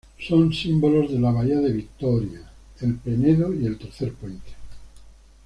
Son símbolos de la bahía de Vitória: el Penedo y el Tercer Puente.